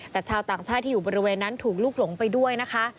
แต่ชาวต่างชาติที่อยู่บริเวณนั้นถูกลุกหลงไปด้วยนะคะ